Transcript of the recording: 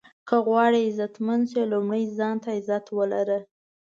که غواړئ عزتمند شې لومړی ځان ته عزت ولره.